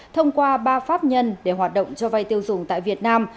thông qua ba pháp nhân để hoạt động cho vay tiêu dùng tại việt nam